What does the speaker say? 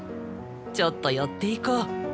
ちょっと寄っていこう。